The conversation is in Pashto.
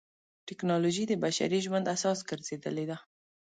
ټکنالوجي د بشري ژوند اساس ګرځېدلې ده.